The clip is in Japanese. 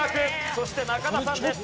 そして中田さんです。